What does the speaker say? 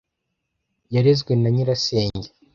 Yarezwe na nyirasenge.